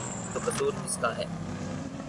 تو قصور کس کا ہے؟